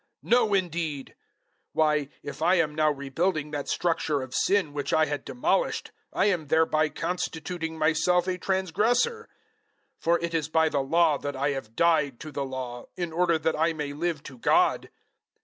No, indeed. 002:018 Why, if I am now rebuilding that structure of sin which I had demolished, I am thereby constituting myself a transgressor; 002:019 for it is by the Law that I have died to the Law, in order that I may live to God.